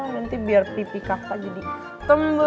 nanti biar pipi kakak jadi teman